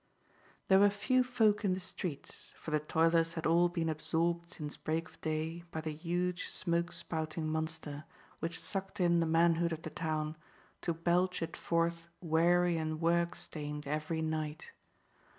There were few folk in the streets, for the toilers had all been absorbed since break of day by the huge smoke spouting monster, which sucked in the manhood of the town, to belch it forth weary and work stained every night.